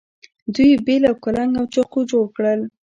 دوی بیل او کلنګ او چاقو جوړ کړل.